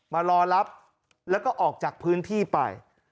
มารอรับแล้วก็ออกจากพื้นที่ไป